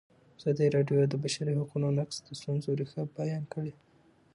ازادي راډیو د د بشري حقونو نقض د ستونزو رېښه بیان کړې.